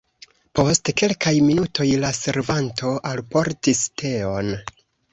Post kelkaj minutoj la servanto alportis teon.